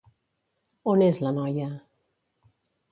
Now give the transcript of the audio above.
On és la noia?